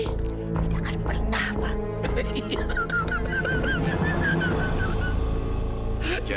tidak akan pernah pak